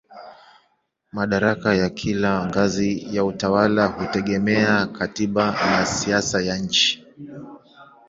Madaraka ya kila ngazi ya utawala hutegemea katiba na siasa ya nchi.